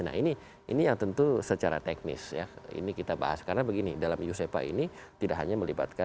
nah ini ini yang tentu secara teknis ya ini kita bahas karena begini dalam yusefa ini tidak hanya melibatkan kita ini juga melibatkan kita